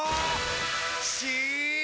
し！